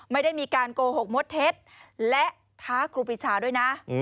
ไม่ได้มีการโกหกมดเท็จและท้าครูปิชาด้วยนะ